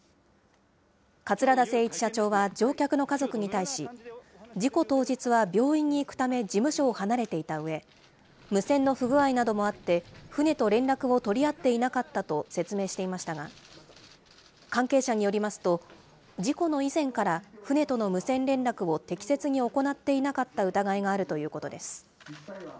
桂田精一社長は乗客の家族に対し、事故当日は病院に行くため、事務所を離れていたうえ、無線の不具合などもあって、船と連絡を取り合っていなかったと説明していましたが、関係者によりますと、事故の以前から、船との無線連絡を適切に行っていなかった疑いがあるということです。